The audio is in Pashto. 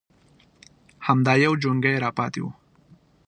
_همدا يو جونګۍ راپاتې و.